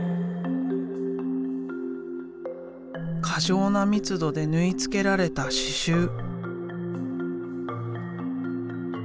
過剰な密度で縫い付けられた刺繍。